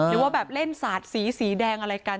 หรือว่าแบบเล่นสาดสีสีแดงอะไรกัน